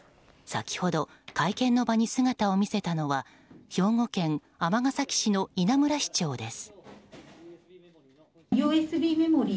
先ほど、会見の場に姿を見せたのは兵庫県尼崎市の稲村市長です。